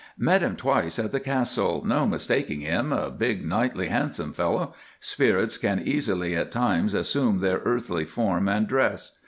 "Met him twice at the Castle—no mistaking him—a big, knightly, handsome fellow. Spirits can easily at times assume their earthly form and dress.